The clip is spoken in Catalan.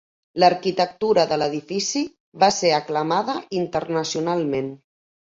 L'arquitectura de l'edifici va ser aclamada internacionalment.